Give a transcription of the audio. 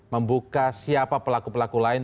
membuka siapa pelaku pelaku lain